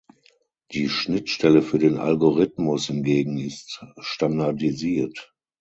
Die Schnittstelle für den Algorithmus hingegen ist standardisiert.